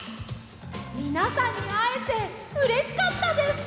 みなさんにあえてうれしかったです！